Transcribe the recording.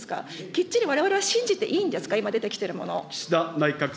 きっちりわれわれは信じていいんですか、今、出てきているものを。